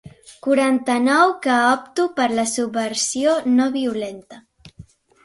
Quaranta-nou que opto per la subversió no violenta.